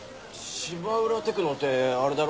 芝浦テクノってあれだろ？